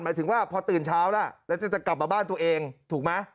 หมายถึงว่าพอตื่นเช้าแล้วแล้วจะกลับมาบ้านตัวเองถูกไหม